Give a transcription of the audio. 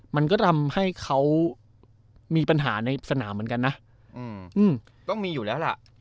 มันก็ทำให้เขามีปัญหาในสนามเหมือนกันนะต้องมีอยู่แล้วล่ะ